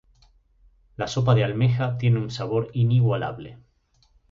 La sopa de almeja tiene un sabor inigualable.